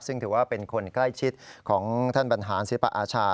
ซึ่งถือว่าเป็นคนใกล้ชิดของท่านบรรหารศิลปะอาชา